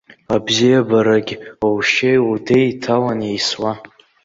Абзиабарагь, лшьеи лдеи иҭалан еисуа.